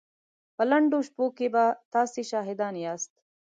په لنډو شپو کې به تاسې شاهدان ياست.